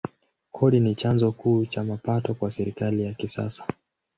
Kodi ni chanzo kuu cha mapato kwa serikali ya kisasa.